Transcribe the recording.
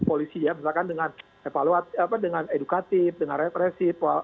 polisi ya misalkan dengan evaluatif dengan edukatif dengan represif